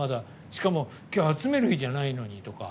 しかも、今日集める日じゃないのにとか。